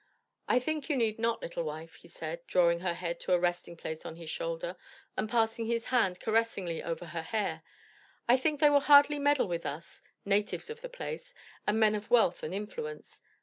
"I think you need not, little wife," he said, drawing her head to a resting place on his shoulder, and passing his hand caressingly over her hair, "I think they will hardly meddle with us, natives of the place, and men of wealth and influence.